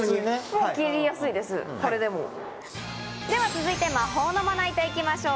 では続いて「魔法のまな板」行きましょう。